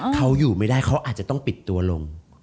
เขาอยู่ไม่ได้เขาอาจจะต้องปิดตัวลง